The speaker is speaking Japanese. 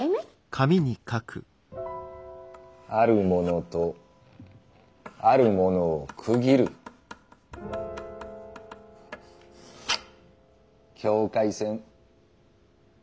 「あるもの」と「あるもの」を区切る境界線。